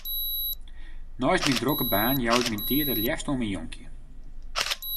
Neist myn drokke baan jou ik myn tiid it leafst oan myn jonkje.